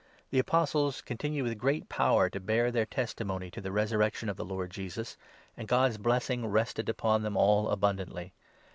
The 33 Apostles continued with great power to bear their testimony to the resurrection of the Lord Jesus, and God's blessing rested upon them all abundantly.